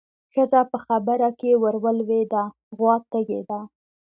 ښځه په خبره کې ورولوېده: غوا تږې ده.